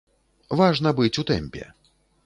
Важна быць у тэмпе.